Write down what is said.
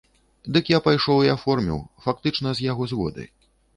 Дык я пайшоў і аформіў, фактычна з яго згоды.